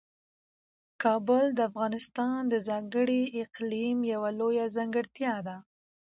کابل د افغانستان د ځانګړي اقلیم یوه لویه ځانګړتیا ده.